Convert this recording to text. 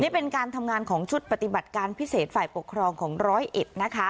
นี่เป็นการทำงานของชุดปฏิบัติการพิเศษฝ่ายปกครองของร้อยเอ็ดนะคะ